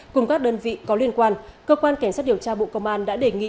cùng các đơn vị có liên quan cơ quan cảnh sát điều tra bộ công an đã đề nghị